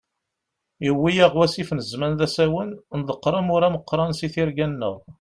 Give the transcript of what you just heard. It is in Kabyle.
Yewwi-yaɣ wasif n zzman d asawen, nḍeqqer amur ameqran si tirga-nneɣ.